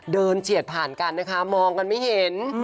เฉียดผ่านกันนะคะมองกันไม่เห็น